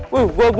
bener banget tuh